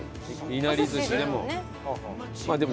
いなり寿司でも。